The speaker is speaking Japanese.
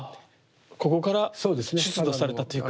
ここから出土されたというか。